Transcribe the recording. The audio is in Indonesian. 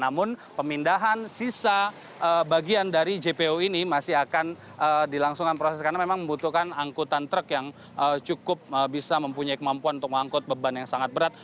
namun pemindahan sisa bagian dari jpo ini masih akan dilangsungkan proses karena memang membutuhkan angkutan truk yang cukup bisa mempunyai kemampuan untuk mengangkut beban yang sangat berat